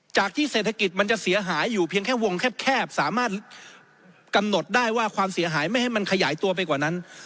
จากที่เศรษฐกิจมันจะเสียหายอยู่เพียงแค่วงแคบสามารถกำหนดได้ว่าความเสียหายไม่ให้มันขยายตัวไปกว่านั้น